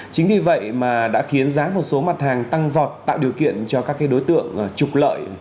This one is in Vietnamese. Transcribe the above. chính vì vậy mà đã khiến giá một số mặt hàng tăng vọt tạo điều kiện cho các đối tượng trục lợi